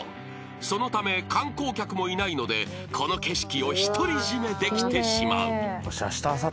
［そのため観光客もいないのでこの景色を独り占めできてしまう］